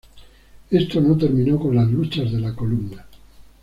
Esto no terminó con las luchas de la Columna.